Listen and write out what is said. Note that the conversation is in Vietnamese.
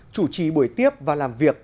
chủ trì buổi tiếp và làm việc